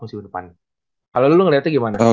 musim depan kalo lu ngeliatnya gitu kan